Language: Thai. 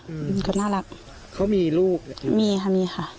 อืมเขาน่ารักเขามีลูกมีค่ะมีค่ะ